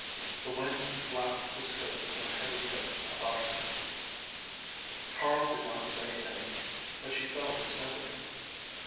The wind flapped the skirts of her heavy coat about her. Carl did not say anything, but she felt his sympathy.